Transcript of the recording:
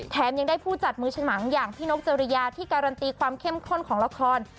ยังได้ผู้จัดมือฉมังอย่างพี่นกจริยาที่การันตีความเข้มข้นของละคร